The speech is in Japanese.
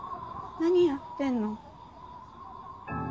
何やってんの？